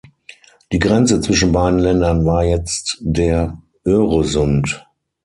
Die Grenze zwischen beiden Ländern war jetzt der Öresund.